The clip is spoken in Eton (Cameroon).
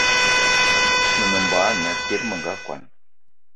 Me nem mbogue ana kiri me nga kwan